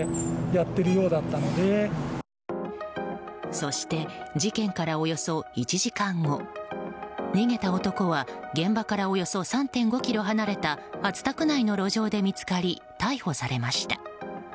そして事件からおよそ１時間後逃げた男は現場からおよそ３．５ｋｍ離れた熱田区内の路上で見つかり逮捕されました。